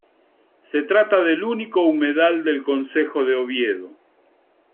Se trata del único humedal del concejo de Oviedo.